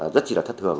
rất là thất thường